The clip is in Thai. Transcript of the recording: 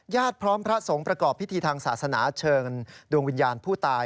พร้อมพระสงฆ์ประกอบพิธีทางศาสนาเชิญดวงวิญญาณผู้ตาย